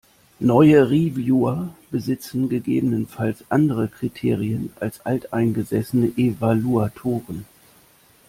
Neue Reviewer besitzen gegebenenfalls andere Kriterien als alteingesessene Evaluatoren.